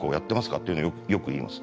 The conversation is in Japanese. っていうのをよく言います。